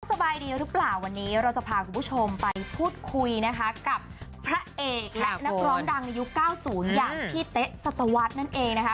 สบายดีหรือเปล่าวันนี้เราจะพาคุณผู้ชมไปพูดคุยนะคะกับพระเอกและนักร้องดังในยุค๙๐อย่างพี่เต๊ะสัตวรรษนั่นเองนะคะ